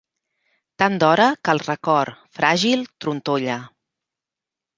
Tan d'hora, que el record, fràgil, trontolla.